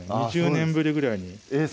２０年ぶりぐらいにえっ